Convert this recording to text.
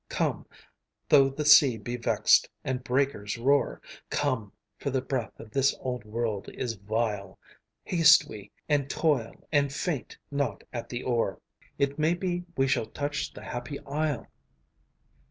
Come, though the sea be vexed, and breakers roar, Come, for the breath of this old world is vile, Haste we, and toil, and faint not at the oar; "It may be we shall touch the happy isle."